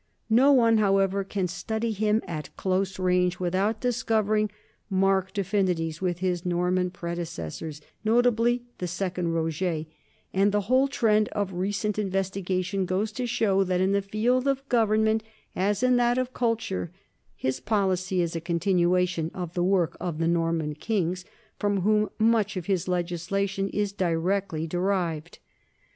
No one, however, can study him at close range without discovering marked affinities with his Norman predecessors, notably the second Roger, and the whole trend of recent investiga tion goes to show that, in the field of government as in that of culture, his policy is a continuation of the work of the Norman kings, from whom much of his legisla tion is directly derived.